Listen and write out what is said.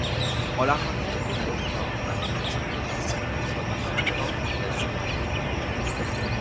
On la rencontre comme plante aromatique dans certaines vodkas, comme la Żubrówka.